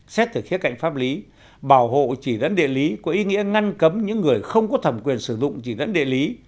xét từ khía cạnh pháp lý bảo hộ chỉ dẫn địa lý có ý nghĩa ngăn cấm những người không có thẩm quyền sử dụng chỉ dẫn địa lý